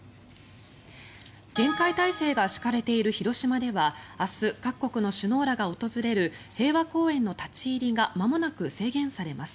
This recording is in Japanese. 厳戒態勢が敷かれている広島では明日、各国の首脳らが訪れる平和公園の立ち入りがまもなく制限されます。